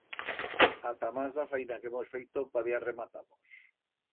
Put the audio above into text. A tamas d'a faina que hemos feito, pa días rematamos!